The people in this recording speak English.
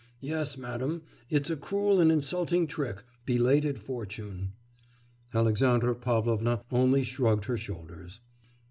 Yes, madam, it's a cruel and insulting trick belated fortune.' Alexandra Pavlovna only shrugged her shoulders.